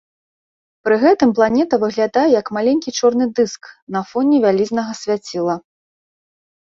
Пры гэтым планета выглядае як маленькі чорны дыск на фоне вялізнага свяціла.